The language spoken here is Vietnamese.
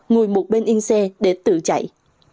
ngồi một bên yên xe để tự chạy